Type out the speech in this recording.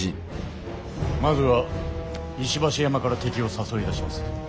まずは石橋山から敵を誘い出します。